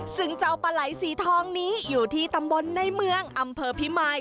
ซึ่งเจ้าปลาไหลสีทองนี้อยู่ที่ตำบลในเมืองอำเภอพิมาย